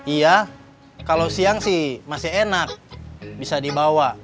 iya kalau siang sih masih enak bisa dibawa